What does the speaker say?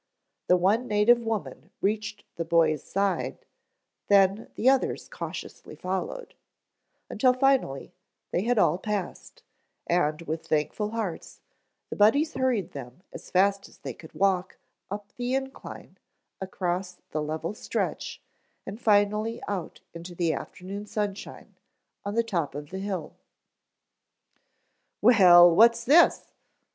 The one native woman reached the boy's side, then others cautiously followed, until finally they had all passed, and with thankful hearts, the Buddies hurried them as fast as they could walk up the incline, across the level stretch, and finally out into the afternoon sunshine on the top of the hill. "Well, what's this?"